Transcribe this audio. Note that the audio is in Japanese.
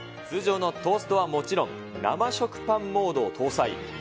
通常のトーストはもちろん、生食パンモードを搭載。